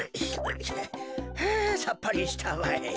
はあさっぱりしたわい。